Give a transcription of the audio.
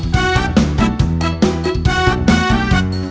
จะอยู่ที่ใดคน